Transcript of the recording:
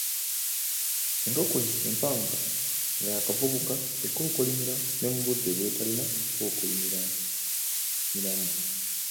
Enkoko empanga nga yaakavubuka ekookolimira n emubudde bw’etalina kukookolimiramu.